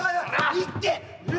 いってえ！